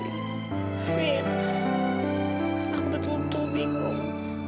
vin aku betul betul bingung